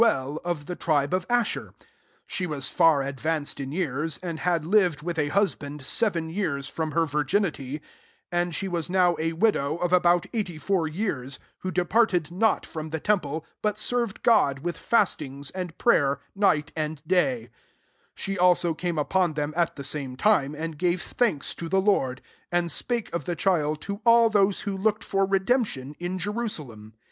109 ; nnelj of the tribe of Ashtr : [jihe ^ «wr* far advanced in yeara^ and ' had Uved with a husband seven years from her virginity : 37 and she was now a widow of about tighty Jbur yearsy who departed not from the temfUey but served Grod with fastings and firayer night and day :) 38 she also came ufion them at the same timcy and gave thanks to the Lord, and spake qf the child to all those who looked for redemption in Je^ rusalem.